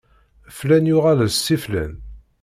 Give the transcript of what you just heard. Flan yuɣal d Si Flan.